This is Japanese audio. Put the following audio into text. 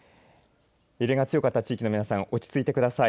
揺れの強かった地域の皆さん落ち着いてください。